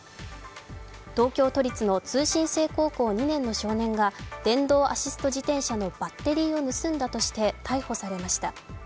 東京都立の通信制高校２年の少年が電動アシスト自転車のバッテリーを盗んだとして逮捕されました。